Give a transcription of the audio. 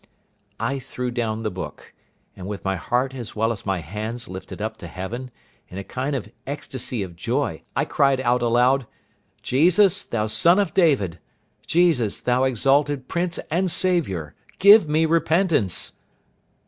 I threw down the book; and with my heart as well as my hands lifted up to heaven, in a kind of ecstasy of joy, I cried out aloud, "Jesus, thou son of David! Jesus, thou exalted Prince and Saviour! give me repentance!"